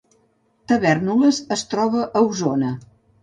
Tavèrnoles es troba a Osona